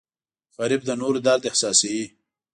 غریب د نورو درد احساسوي